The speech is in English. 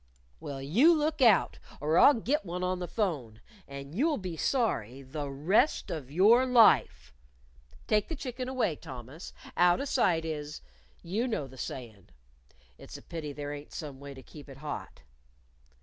"Well, you look out or I'll git one on the 'phone. And you'll be sorry the rest of your life.... Take the chicken away, Thomas. 'Out of sight is' you know the sayin'. (It's a pity there ain't some way to keep it hot.)"